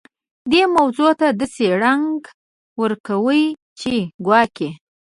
دې موضوع ته داسې رنګ ورکوي چې ګواکې.